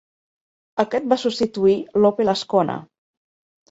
Aquest va substituir l'Opel Ascona.